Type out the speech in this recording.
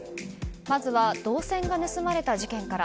まずは銅線が盗まれた事件から。